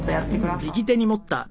「はい。